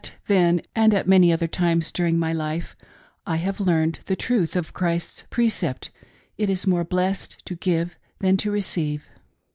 then, and at many other times during my life, I have learned ' the truth of Christ's precept " It is more blessed to give than to receive."